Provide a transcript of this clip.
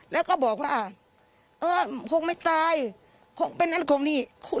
แล้วก็บอกว่าเออคงไม่ตายคงเป็นนั่นคงนี่